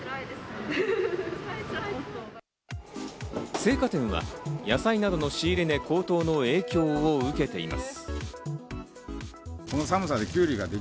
青果店は、野菜などの仕入れ値高騰の影響を受けています。